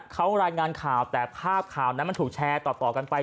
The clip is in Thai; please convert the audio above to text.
เขารายงานข่าวแต่ภาพข่าวนั้นมันถูกแชร์ต่อกันไป